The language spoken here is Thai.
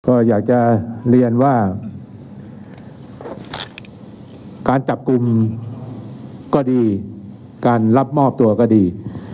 ก็อยากจะเรียนว่าการจับกลุ่มก็ดีการรับมอบตัวก็ดี